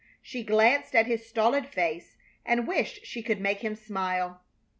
She glanced at his stolid face and wished she could make him smile.